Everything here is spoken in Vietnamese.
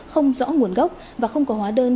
không rõ nguồn gốc và không có hóa đơn